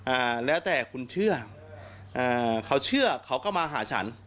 อ่าแล้วแต่คุณเชื่ออ่าเขาเชื่อเขาก็มาหาฉัน